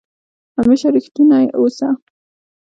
همېشه ریښتونی اوسه